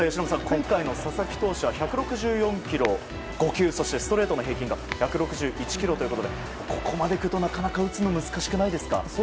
今回の佐々木選手は１６４キロ５球のストレート平均が１６１キロということでここまでくるとなかなか打つの難しくないですか。